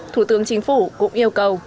thủ tướng chính phủ cũng yêu cầu